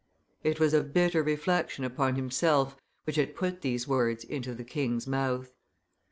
It was a bitter reflection upon himself which had put these words into the king's mouth.